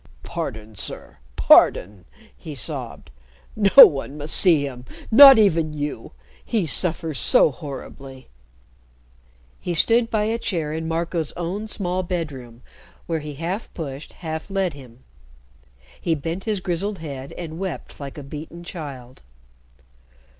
"Pardon, sir, pardon!" he sobbed. "No one must see him, not even you. He suffers so horribly." He stood by a chair in Marco's own small bedroom, where he half pushed, half led him. He bent his grizzled head, and wept like a beaten child.